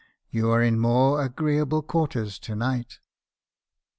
You are in more agree able quarters to night.'